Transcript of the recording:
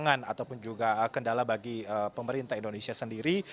jadi tantangan ataupun juga kendala bagi pemerintah indonesia sendiri